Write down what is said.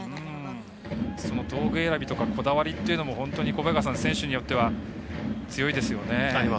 その道具選びとかこだわりっていうのも本当に、選手によっては強いですよね。